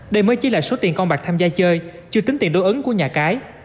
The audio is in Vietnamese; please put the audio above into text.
đây mới chỉ là số tiền con bạc tham gia chơi chưa tính tiền đối ứng của nhà cái